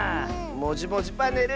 「もじもじパネル」